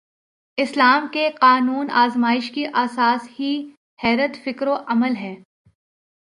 اسلام کے قانون آزمائش کی اساس ہی حریت فکر و عمل ہے۔